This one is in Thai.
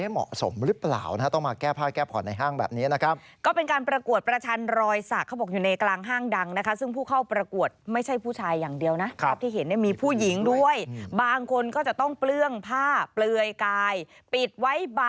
แม่ครับนั่งเขาทำอะไรกันนะครับ